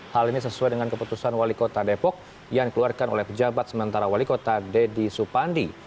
hal ini sesuai dengan keputusan wali kota depok yang dikeluarkan oleh pejabat sementara wali kota deddy supandi